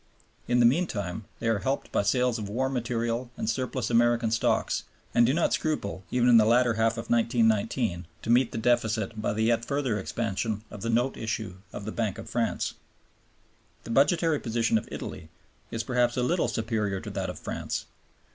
In the meantime they are helped by sales of war material and surplus American stocks and do not scruple, even in the latter half of 1919, to meet the deficit by the yet further expansion of the note issue of the Bank of France. The budgetary position of Italy is perhaps a little superior to that of France.